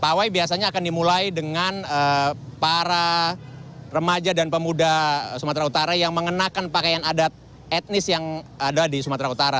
pawai biasanya akan dimulai dengan para remaja dan pemuda sumatera utara yang mengenakan pakaian adat etnis yang ada di sumatera utara